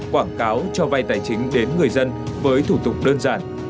quảng cáo cho vay tài chính đến người dân với thủ tục đơn giản